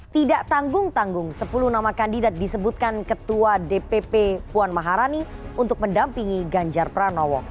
tidak tanggung tanggung sepuluh nama kandidat disebutkan ketua dpp puan maharani untuk mendampingi ganjar pranowo